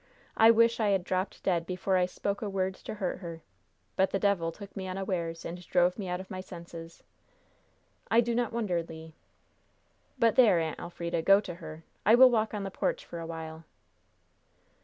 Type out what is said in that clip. I wish I had dropped dead before I spoke a word to hurt her! But the devil took me unawares, and drove me out of my senses." "I do not wonder, Le." "But there, Aunt Elfrida. Go to her! I will walk on the porch for a while."